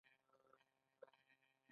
د لس کلونو نه زیات شپږ میاشتې معاش.